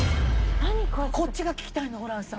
こっちが聞きたいのホランさん。